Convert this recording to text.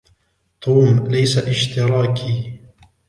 توم ليس اشتراكي.